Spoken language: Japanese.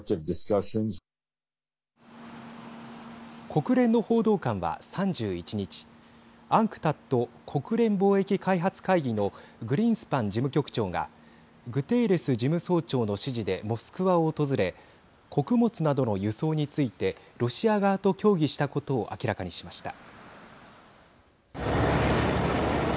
国連の報道官は３１日ＵＮＣＴＡＤ＝国連貿易開発会議のグリンスパン事務局長がグテーレス事務総長の指示でモスクワを訪れ穀物などの輸送についてロシア側と協議したことを明らかにしました。